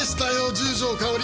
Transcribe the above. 十条かおり。